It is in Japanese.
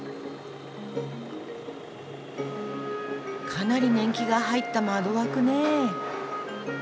かなり年季が入った窓枠ね。